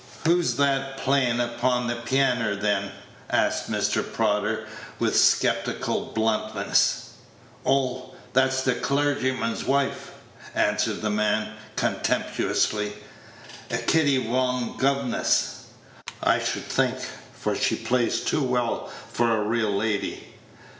"Who's that playin' upon the pianer, then?" asked Mr. Prodder, with skeptical bluntness. "Oh, that's the clugyman's wife," answered the man, contemptuously, "a ciddyvong guvness, I should think, for she plays too well for a real lady.